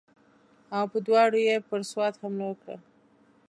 او په دواړو یې پر سوات حمله وکړه.